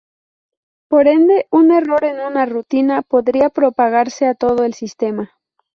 Por ende, un error en una rutina podría propagarse a todo el sistema.